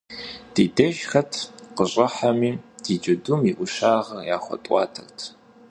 Ди деж хэт къыщӏыхьэми, ди джэдум и ӏущагъыр яхуэтӏуатэрт.